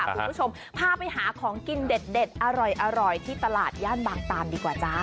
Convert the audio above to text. คุณผู้ชมพาไปหาของกินเด็ดอร่อยที่ตลาดย่านบางตานดีกว่าจ้า